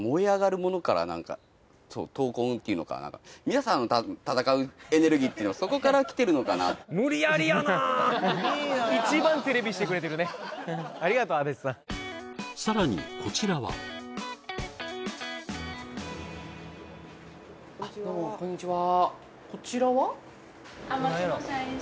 皆さんの闘うエネルギーっていうのはそこから来てるのかなってさらにこちらはこんにちは